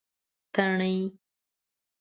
تڼۍ